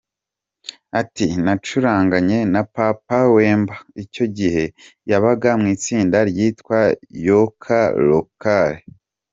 Ati “Nacuranganye na Papa Wemba, icyo gihe yabaga mu itsinda ryitwa Yoka Lokole.